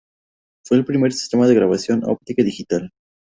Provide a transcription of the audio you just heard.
Fue el primer sistema de grabación óptica digital.